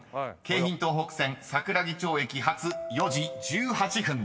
［京浜東北線桜木町駅発４時１８分です］